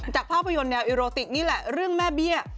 ภาพยนตร์แนวอิโรติกนี่แหละเรื่องแม่เบี้ย